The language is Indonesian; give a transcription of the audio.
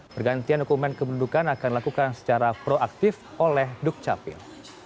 pergantian dokumen kependudukan akan dilakukan secara proaktif oleh dukcapil